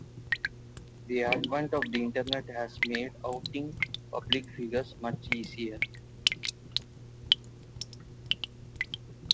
The advent of the internet has made outing public figures much easier.